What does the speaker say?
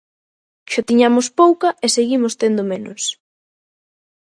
Xa tiñamos pouca e seguimos tendo menos.